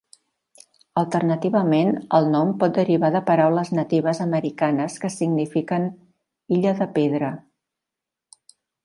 Alternativament, el nom pot derivar de paraules natives americanes que signifiquen "illa de pedra".